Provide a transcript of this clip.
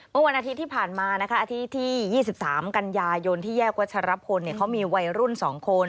เมื่อวันอาทิตย์ที่ผ่านมานะคะอาทิตย์ที่๒๓กันยายนที่แยกวัชรพลเขามีวัยรุ่น๒คน